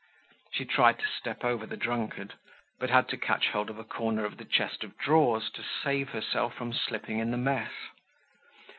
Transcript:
She tried to step over the drunkard, but had to catch hold of a corner of the chest of drawers to save herself from slipping in the mess.